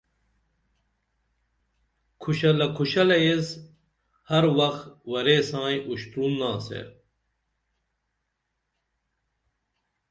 کھوشلہ کھوشلہ ایس ہر وخت ورے سائیں اُشترونا سے